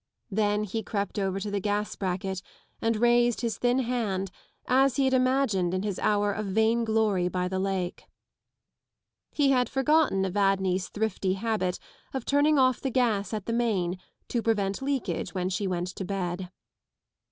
Then he crept over to the gas bracket and raised his thin hand, as he had imagined in his hour of vain glory by the lake. He had forgotten Evadne's thrifty habit of turning off the gas at the main to prevent leakage when she went to bed.